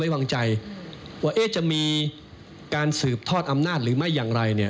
วางใจว่าจะมีการสืบทอดอำนาจหรือไม่อย่างไรเนี่ย